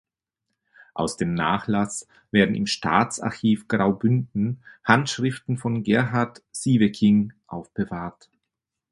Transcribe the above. Aus dem Nachlass werden im Staatsarchiv Graubünden Handschriften von Gerhart Sieveking aufbewahrt.